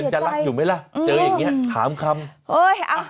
จะรักอยู่ไหมล่ะเจออย่างนี้ถามคำเฮ้ยอ่ะ